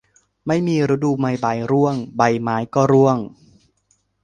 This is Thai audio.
ไม่มีฤดูใบไม้ร่วง ใบไม้ก็ร่วง